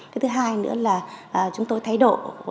cái thứ hai nữa là chúng tôi thay đổi